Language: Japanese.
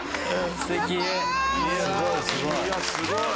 すごい！